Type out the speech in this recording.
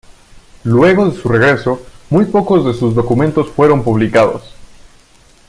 Luego de su regreso, muy pocos de sus documentos fueron publicados.